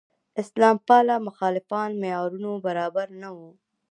اسلام پاله مخالفان معیارونو برابر نه وو.